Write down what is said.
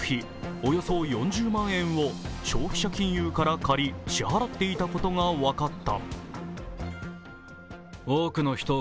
およそ４０万円を消費者金融から借り支払っていたことが分かった。